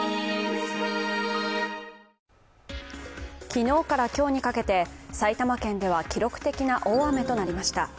昨日から今日にかけて埼玉県では記録的な大雨となりました。